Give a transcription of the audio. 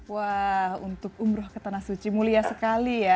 wah untuk umroh ke tanah suci mulia sekali ya